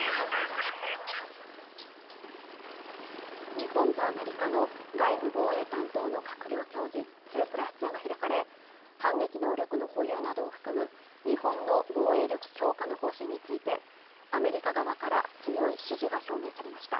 日本とアメリカの外務・防衛担当の閣僚協議２プラス２が開かれ反撃能力の保有などを含む日本の防衛力強化の方針についてアメリカ側から強い支持が表明されました